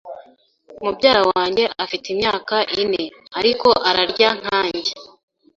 Mubyara wanjye afite imyaka ine, ariko ararya nkanjye.